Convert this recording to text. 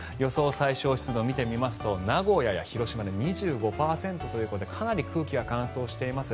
最小湿度を見てみますと名古屋や広島で２５％ということでかなり空気が乾燥しています。